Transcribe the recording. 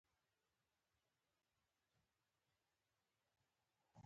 دسوداګرې ښځې لوښي هم ورډک کړل.